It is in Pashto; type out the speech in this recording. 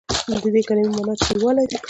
د دې کلمې معني تریوالی دی.